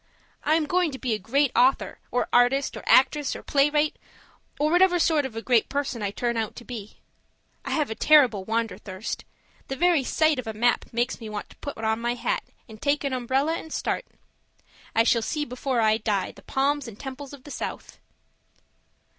I am going to be a great author, or artist, or actress, or playwright or whatever sort of a great person I turn out to be. I have a terrible wanderthirst; the very sight of a map makes me want to put on my hat and take an umbrella and start. 'I shall see before I die the palms and temples of the South.'